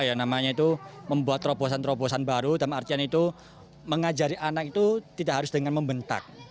kita mencoba untuk membuat terobosan terobosan baru dan artian itu mengajari anak itu tidak harus dengan membentak